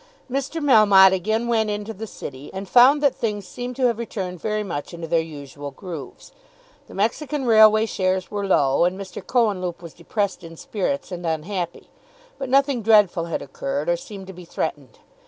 Mr. Melmotte again went into the City, and found that things seemed to have returned very much into their usual grooves. The Mexican Railway shares were low, and Mr. Cohenlupe was depressed in spirits and unhappy; but nothing dreadful had occurred or seemed to be threatened.